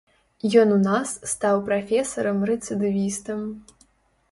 Ён у нас стаў прафесарам-рэцыдывістам.